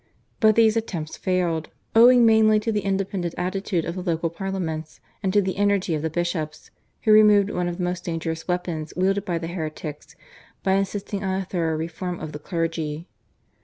But these attempts failed, owing mainly to the independent attitude of the local parliaments and to the energy of the bishops, who removed one of the most dangerous weapons wielded by the heretics by insisting on a thorough reform of the clergy.